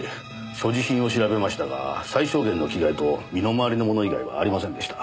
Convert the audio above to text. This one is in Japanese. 所持品を調べましたが最小限の着替えと身の回りのもの以外はありませんでした。